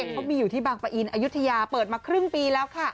เขามีอยู่ที่บางปะอินอายุทยาเปิดมาครึ่งปีแล้วค่ะ